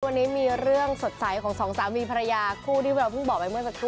วันนี้มีเรื่องสดใสของสองสามีภรรยาคู่ที่เราเพิ่งบอกไปเมื่อสักครู่